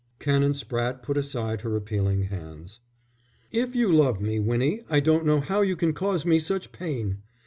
Canon Spratte put aside her appealing hands. "If you love me, Winnie, I don't know how you can cause me such pain.